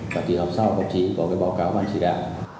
và thì họp sau ông chí có cái báo cáo bạn chỉ đạo